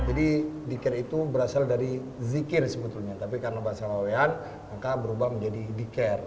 jadi diker itu berasal dari zikir sebetulnya tapi karena bahasa laowian maka berubah menjadi diker